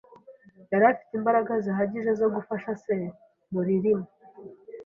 Yari afite imbaraga zihagije zo gufasha se muririma.